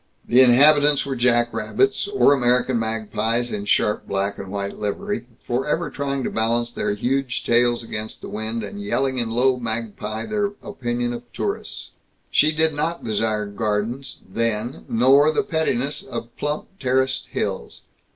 The inhabitants were jackrabbits, or American magpies in sharp black and white livery, forever trying to balance their huge tails against the wind, and yelling in low magpie their opinion of tourists. She did not desire gardens, then, nor the pettiness of plump terraced hills.